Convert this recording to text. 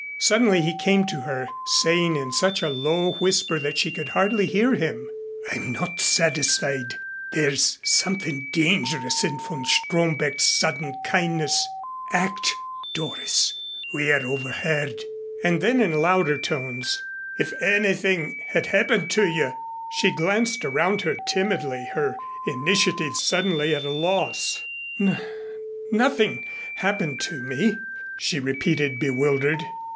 Suddenly he came to her saying in such a low whisper that she could hardly hear him, "I'm not satisfied. There's something dangerous in von Stromberg's sudden kindness. Act, Doris. We are overheard." And then in louder tones, "If anything had happened to you " She glanced around her timidly, her initiative suddenly at a loss. "N nothing happened to me," she repeated bewildered.